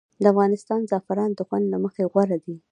د افغانستان زعفران د خوند له مخې غوره دي